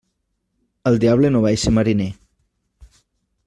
El diable no va esser mariner.